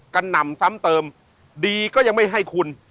หนำซ้ำเติมดีก็ยังไม่ให้คุณ